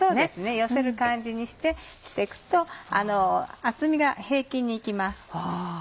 寄せる感じにして行くと厚みが平均に行きます。